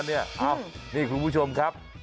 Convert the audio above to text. นี่คุณผู้ชมครับ